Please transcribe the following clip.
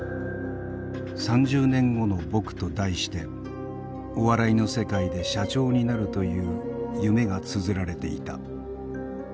「三十年後のぼく」と題してお笑いの世界で社長になるという夢がつづられていた。